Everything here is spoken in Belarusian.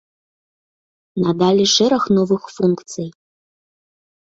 Надалі шэраг новых функцый.